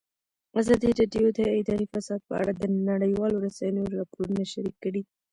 ازادي راډیو د اداري فساد په اړه د نړیوالو رسنیو راپورونه شریک کړي.